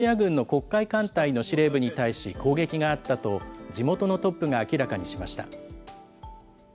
またクリミアでは２０日、ロシア軍の黒海艦隊の司令部に対し、攻撃があったと、地元のトップが明らかにしました。